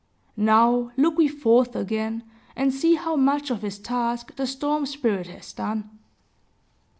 Now look we forth again, and see how much of his task the storm spirit has done.